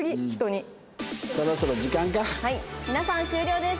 「皆さん終了です。